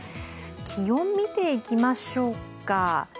気温を見ていきましょうか。